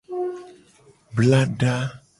Blada.